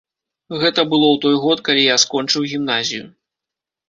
Гэта было ў той год, калі я скончыў гімназію.